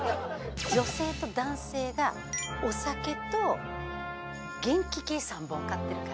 女性と男性がお酒と元気系３本買ってるから。